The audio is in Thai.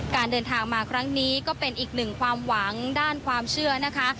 การเดินทางมาครั้งนี้ก็เป็นอีกหนึ่งความหวังด้านความเชื่อนะคะ